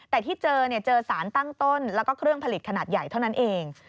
แต่ที่เจอเจอสารตั้งต้นแล้วก็เครื่องผลิตขนาดใหญ่เท่านั้นเอง